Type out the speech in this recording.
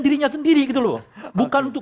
dirinya sendiri bukan untuk